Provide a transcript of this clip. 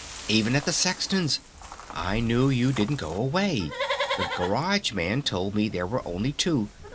Even at the Sexton's! I knew you didn't go away! The Garage Man told me there were only two!